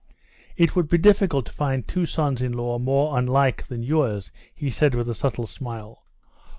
"It would be difficult to find two sons in law more unlike than yours," he said with a subtle smile.